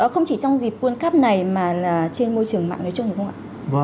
không chỉ trong dịp world cup này mà trên môi trường mạng nói chung đúng không ạ